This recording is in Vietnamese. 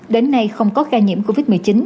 đến nay không có ca nhiễm covid một mươi chín